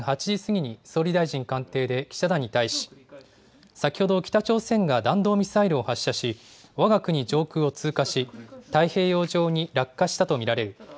岸田総理大臣は午前８時過ぎに総理大臣官邸で記者団に対し、先ほど北朝鮮が弾道ミサイルを発射しわが国上空を通過し太平洋上に落下したと見られる。